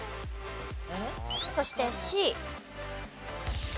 そしてＣ。